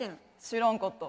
知らんかった。